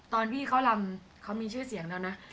ตอนพี่เขารำเขามีชื่อเสียงแล้วนะ